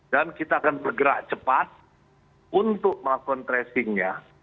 dan kita akan bergerak cepat untuk melakukan tracing nya